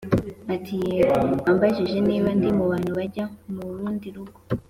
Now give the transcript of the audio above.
ati"yego ambajije Niba ndimubantu bajya murundi rugo